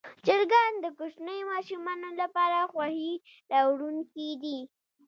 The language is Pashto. چرګان د کوچنیو ماشومانو لپاره خوښي راوړونکي دي.